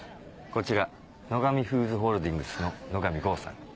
こちら野上フーズホールディングスの野上豪さん。